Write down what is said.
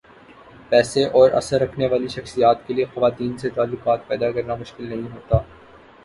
پیسے اور اثر رکھنے والی شخصیات کیلئے خواتین سے تعلقات پیدا کرنا مشکل نہیں ہوتا۔